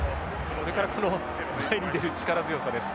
それからこの前に出る力強さです。